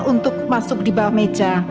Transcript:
untuk masuk di bawah meja